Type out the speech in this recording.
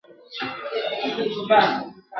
هر لحد يې افتخاردی !.